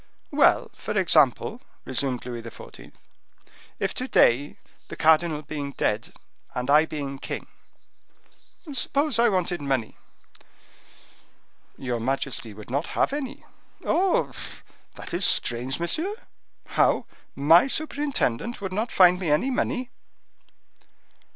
"Well, for example," resumed Louis XIV., "if to day, the cardinal being dead, and I being king, suppose I wanted money?" "Your majesty would not have any." "Oh! that is strange, monsieur! How! my superintendent would not find me any money?"